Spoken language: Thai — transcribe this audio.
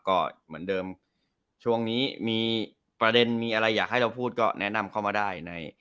ก็เหมือนเดิมช่วงนี้มีประเด็นมีอะไรอยากให้เราพูดก็แนะนำเข้ามาได้ใน